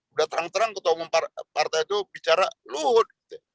udah terang terang ketua umum partai itu bicara luhut